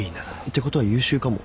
てことは優秀かも。